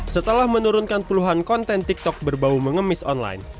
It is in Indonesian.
setelah menurunkan puluhan konten tiktok berbau mengemis online